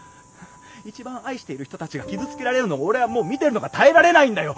一番愛している人たちが傷つけられるのを俺はもう見てるのが耐えられないんだよ。